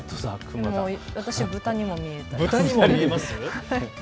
私、豚にも見えます。